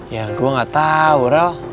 ya gue gak tau real